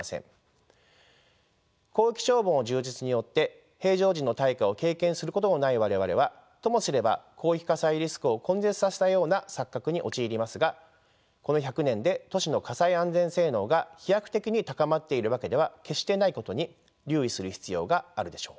広域消防の充実によって平常時の大火を経験することのない我々はともすれば広域火災リスクを根絶させたような錯覚に陥りますがこの１００年で都市の火災安全性能が飛躍的に高まっているわけでは決してないことに留意する必要があるでしょう。